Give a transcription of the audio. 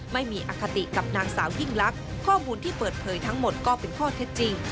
ไม่มีอคติกับนางสาวยิ่งลักษณ์ข้อมูลที่เปิดเผยทั้งหมดก็เป็นข้อเท็จจริง